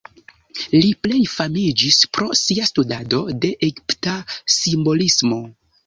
Li plej famiĝis pro sia studado de egipta simbolismo.